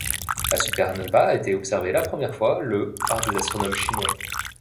La supernova a été observée la première fois le par des astronomes chinois.